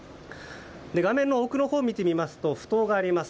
画面の奥のほうを見てみますと埠頭があります。